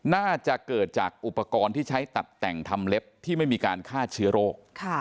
น่าจะเกิดจากอุปกรณ์ที่ใช้ตัดแต่งทำเล็บที่ไม่มีการฆ่าเชื้อโรค